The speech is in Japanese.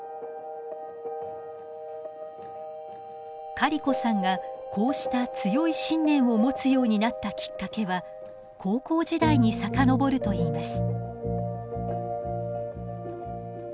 カリコさんがこうした強い信念を持つようになったきっかけは高校時代に遡るといいます。